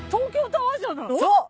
そう。